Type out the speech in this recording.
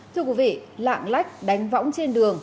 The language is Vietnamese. thưa quý vị lạng lách đánh võng trên đường